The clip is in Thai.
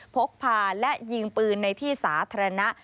พกพาและยิงปืนในที่สาธารณะ